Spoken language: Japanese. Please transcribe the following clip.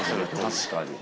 確かに。